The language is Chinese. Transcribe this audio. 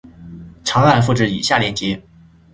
长按复制以下链接